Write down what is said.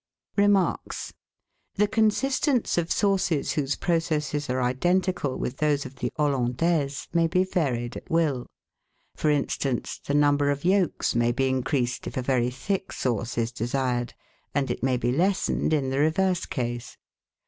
Remarks. — The consistence of sauces whose processes are identical with those of the Hollandaise may be varied at will ; for instance, the number of yolks may be increased if a very thick sauce is desired, and it may be lessened in the reverse case.